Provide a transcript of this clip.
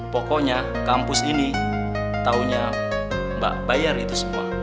pokoknya kampus ini taunya mbak bayar itu semua